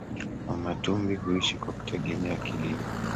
Wamatumbi huishi kwa kutegemea kilimo